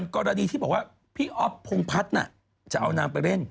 กรณีที่พี่อฟพลงพัทน่ะจะเอานางไปเล่น